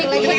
satu lagi ya